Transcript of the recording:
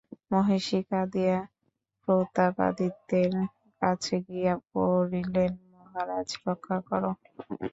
মহিষী কাঁদিয়া প্রতাপাদিত্যের কাছে গিয়া পড়িলেন, মহারাজ রক্ষা করো।